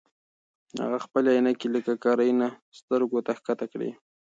هغه خپلې عینکې له ککرۍ نه سترګو ته ښکته کړې.